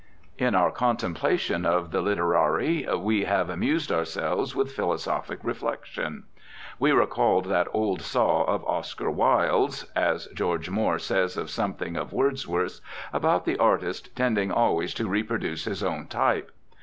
In our contemplation of the literari we have amused ourselves with philosophic reflection. We recalled that old saw of Oscar Wilde's (as George Moore says of something of Wordsworth's) about the artist tending always to reproduce his own type.